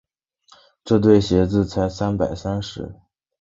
这对鞋子才三百三十。